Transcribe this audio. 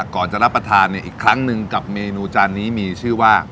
ก่อนจะรับประทานอีกครั้งหนึ่งกับเมนูจานนี้มีชื่อว่า